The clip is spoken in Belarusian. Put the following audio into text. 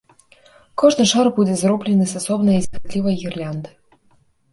Кожны шар будзе зроблены з асобнай зіхатлівай гірлянды.